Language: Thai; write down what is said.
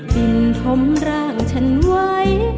ดินคมร่างฉันไว้